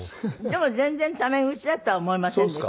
でも全然タメ口だとは思いませんでしたよ。